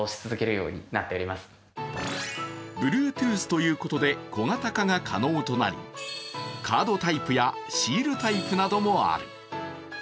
Ｂｌｕｅｔｏｏｔｈということで小型化が可能となり、カードタイプやシールタイプなどもある。